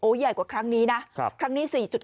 ใหญ่กว่าครั้งนี้นะครั้งนี้๔๗